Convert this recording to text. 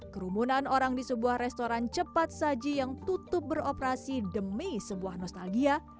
kerumunan orang di sebuah restoran cepat saji yang tutup beroperasi demi sebuah nostalgia